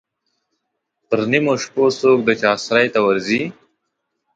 پر نیمو شپو څوک د چا سرای ته ورځي.